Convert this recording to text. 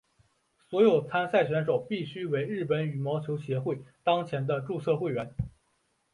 所有参赛选手必须为日本羽毛球协会当前的注册会员。